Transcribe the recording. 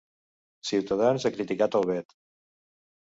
Ciutadans ha criticat el vet